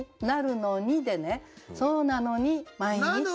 「なるのに」でねそうなのに毎日。